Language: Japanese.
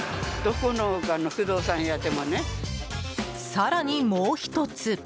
更にもう１つ！